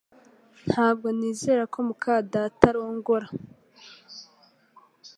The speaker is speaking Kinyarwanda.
Ntabwo nizera ko muka data arongora